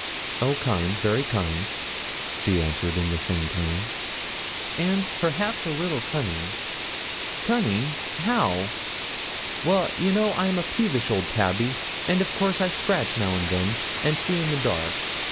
'Oh! kind, very kind,' she answered in the same tone, 'and perhaps a little cunning.' 'Cunning! how?' 'Well, you know I'm a peevish old Tabby, and of course I scratch now and then, and see in the dark.